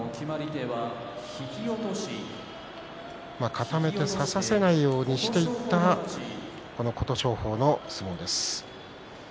かためて差させないようにしていった琴勝峰の相撲です。